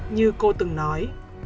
như cô từng nói